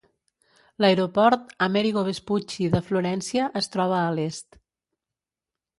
L'aeroport "Amerigo Vespucci" de Florència es troba a l'est.